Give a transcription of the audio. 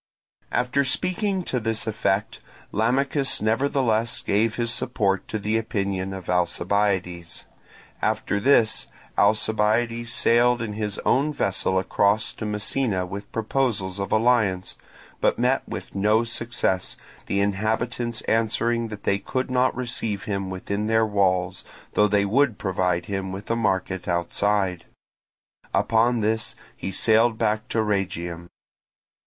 After speaking to this effect, Lamachus nevertheless gave his support to the opinion of Alcibiades. After this Alcibiades sailed in his own vessel across to Messina with proposals of alliance, but met with no success, the inhabitants answering that they could not receive him within their walls, though they would provide him with a market outside. Upon this he sailed back to Rhegium.